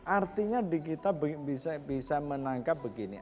artinya kita bisa menangkap begini